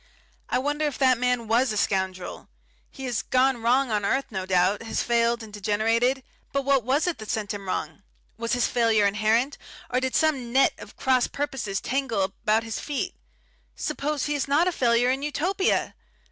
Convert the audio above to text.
I wonder if that man was a scoundrel. He has gone wrong on earth, no doubt, has failed and degenerated, but what was it sent him wrong? Was his failure inherent, or did some net of cross purposes tangle about his feet? Suppose he is not a failure in Utopia!...